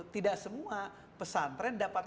tidak semua pesan tren dapat